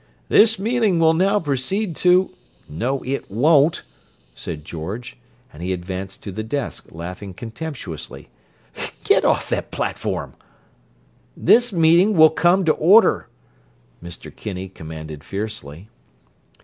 "This meeting will now proceed to—" "No, it won't," said George, and he advanced to the desk, laughing contemptuously. "Get off that platform." "This meeting will come to order!" Mr. Kinney commanded fiercely.